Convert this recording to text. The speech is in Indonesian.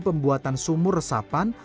pembuatan sumur resapan